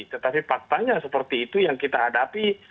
tetapi faktanya seperti itu yang kita hadapi oleh pihak internasional